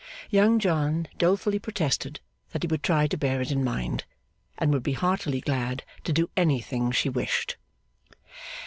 Young John dolefully protested that he would try to bear it in mind, and would be heartily glad to do anything she wished.